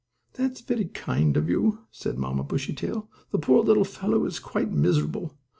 "That is very kind of you," said Mamma Bushytail. "The poor little fellow is quite miserable.